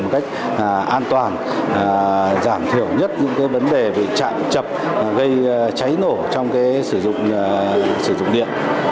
một cách an toàn giảm thiểu nhất những cái vấn đề bị chạm chập gây cháy nổ trong cái sử dụng điện